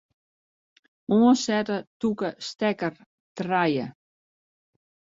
Oansette tûke stekker trije.